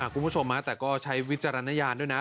คุณผู้ชมแต่ก็ใช้วิจารณญาณด้วยนะ